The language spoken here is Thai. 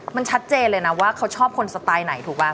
มันชัดเจนเลยนะว่าเขาชอบคนสไตล์ไหนถูกป่ะ